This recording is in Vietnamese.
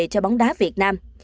cho bóng đá việt nam